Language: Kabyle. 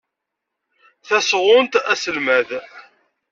Tasɣunt Aselmad.